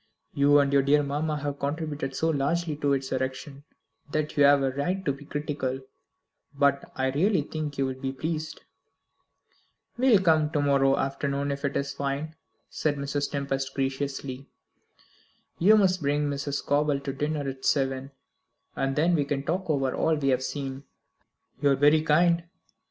"You and your dear mamma have contributed so largely to its erection that you have a right to be critical; but I really think you will be pleased." "We'll come to morrow afternoon, if it's fine," said Mrs. Tempest graciously. "You must bring Mrs. Scobel to dinner at seven, and then we can talk over all we have seen." "You are very kind.